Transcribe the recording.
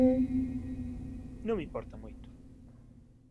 Non me importa moito.